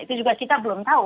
itu juga kita belum tahu